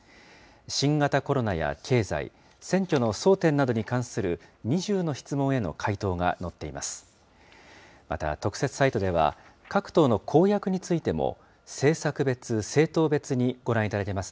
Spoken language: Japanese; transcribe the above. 新型コロナや経済、選挙の争点などに関する２０の質問への回答が載っています。